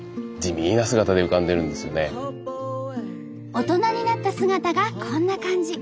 大人になった姿がこんな感じ。